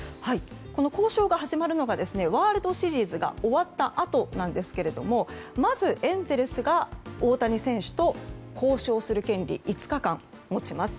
交渉が始まるのがワールドシリーズが終わったあとですがまず、エンゼルスが大谷選手と交渉する権利を５日間、持ちます。